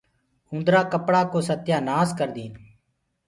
اُندرآ ڪپڙآ ڪو ستيآ نآس ڪرديندآ هينٚ۔